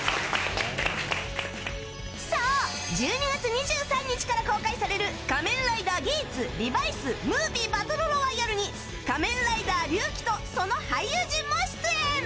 そう、１２月２３日から公開される「仮面ライダーギーツ×リバイスＭＯＶＩＥバトルロワイヤル」に仮面ライダー龍騎とその俳優陣も出演。